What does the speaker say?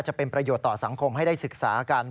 จะเป็นประโยชน์ต่อสังคมให้ได้ศึกษากัน